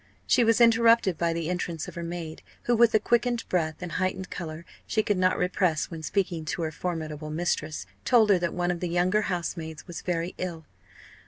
She was interrupted by the entrance of her maid, who, with the quickened breath and heightened colour she could not repress when speaking to her formidable mistress, told her that one of the younger housemaids was very ill.